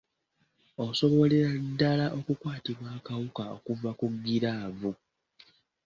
Osobolera ddala okukwatibwa akawuka okuva ku giraavu.